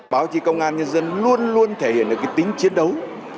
báo chí công an nhân dân luôn luôn thể hiện được cái tính chiến đấu